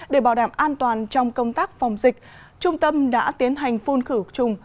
để bảo đảm an toàn trong công tác phòng dịch trung tâm đã tiến hành phun khử trùng